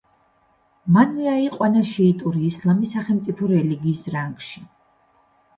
მანვე აიყვანა შიიტური ისლამი სახელმწიფო რელიგიის რანგში.